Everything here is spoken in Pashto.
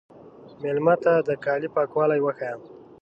مېلمه ته د کالي پاکوالی وښیه.